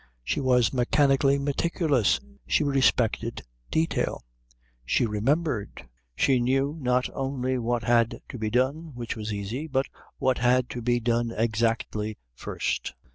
She was mechanically meticulous. She respected detail. She remembered. She knew not only what had to be done, which was easy, but what had to be done exactly first.